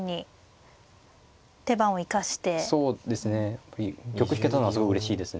やっぱり玉引けたのはすごいうれしいですね。